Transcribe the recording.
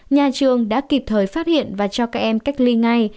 nhà trường đã kịp thời phát hiện và cho các em cách ly ngay